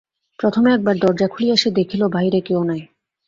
প্রথমে একবার দরজা খুলিয়া সে দেখিল, বাহিরে কেহ নাই।